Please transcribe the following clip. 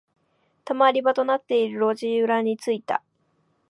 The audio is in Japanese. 溜まり場となっている路地裏に着いた。